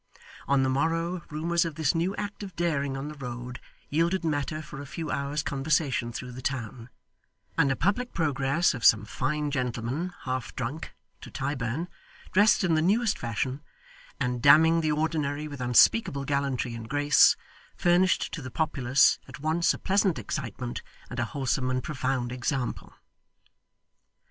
On the morrow, rumours of this new act of daring on the road yielded matter for a few hours' conversation through the town, and a Public Progress of some fine gentleman (half drunk) to Tyburn, dressed in the newest fashion, and damning the ordinary with unspeakable gallantry and grace, furnished to the populace, at once a pleasant excitement and a wholesome and profound example.